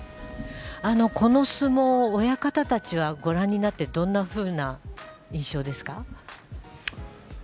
この相撲親方たちはご覧になってどんな印象ですか？